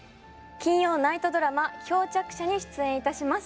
金曜ナイトドラマ『漂着者』に出演致します。